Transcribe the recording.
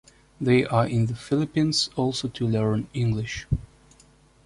They are in the Philippines also to learn English.